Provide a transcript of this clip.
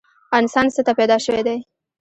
انسان څه ته پیدا شوی دی؟